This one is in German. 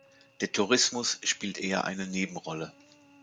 Der Tourismus spielt eher eine Nebenrolle.